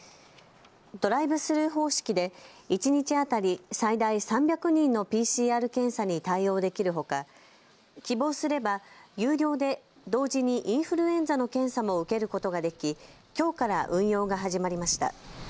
ドライブスルー方式で一日当たり最大３００人のＰＣＲ検査に対応できるほか希望すれば有料で同時にインフルエンザの検査も受けることができ、きょうから運用が始まりました。